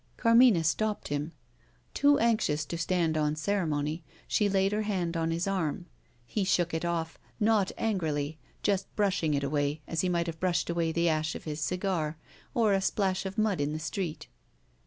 Carmina stopped him. Too anxious to stand on ceremony, she laid her hand on his arm. He shook it off not angrily: just brushing it away, as he might have brushed away the ash of his cigar or a splash of mud in the street.